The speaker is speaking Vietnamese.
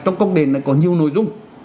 trong công điện này có nhiều nội dung